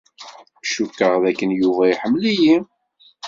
Cukkeɣ d akken Yuba iḥemmel-iyi.